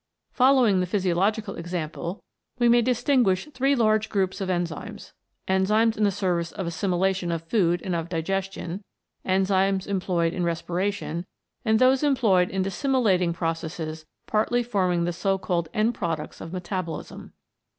Following the physiological principle, we may distinguish i 113 CHEMICAL PHENOMENA IN LIFE three large groups of enzymes : enzymes in the service of the assimilation of food and of digestion, enzymes employed in respiration, and those employed in dissimilating processes partly forming the so called end products of metabolism.